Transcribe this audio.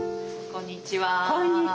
こんにちは。